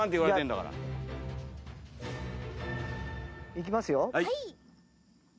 いきますよ。